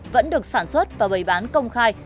vẫn được sản xuất và bày bán công khai